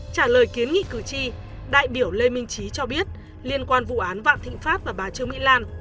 trả lời kiến nghị cử tri đại biểu lê minh trí cho biết liên quan vụ án vạn thịnh pháp và bà trương mỹ lan